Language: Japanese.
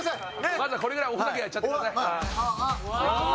まずはこれぐらいおふざけやっちゃってください。